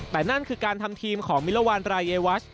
แต่นั่นคือการทำทีมของมิลวานรายวัช